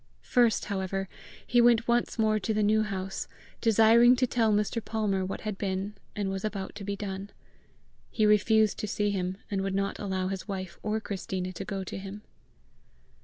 First, however, he went once more to the New House, desiring to tell Mr. Palmer what had been and was about to be done. He refused to see him, and would not allow his wife or Christina to go to him.